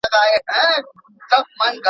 تاسو به د خپل ځان اصلاح ته لومړیتوب ورکوئ.